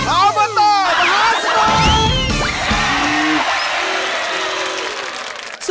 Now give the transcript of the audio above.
ออบอตอมหาสนุก